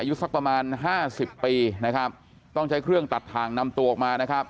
อายุสักประมาณห้าสิบปีนะครับต้องใช้เครื่องตัดทางนำตัวออกมานะครับ